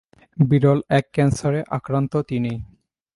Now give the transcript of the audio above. বিরল এক ক্যানসারে আক্রান্ত তিনি।